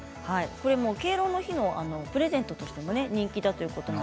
敬老の日のプレゼントとして人気ということです。